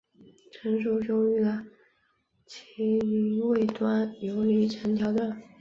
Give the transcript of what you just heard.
成熟雄鱼的臀鳍末端游离呈条状。